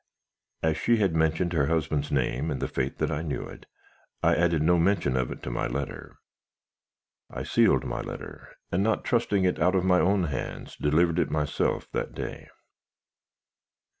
As she had mentioned her husband's name in the faith that I knew it, I added no mention of it to my letter. I sealed my letter, and, not trusting it out of my own hands, delivered it myself that day.